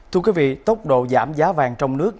thưa quý vị tốc độ giảm giá vàng trong nước